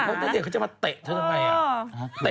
เพราะนาเดชน์เขาจะมาเตะเธอทำไม